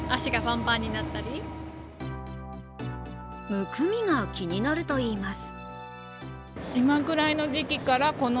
むくみが気になるといいます。